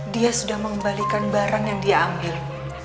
dia sudah mengembalikan barang yang dia ambil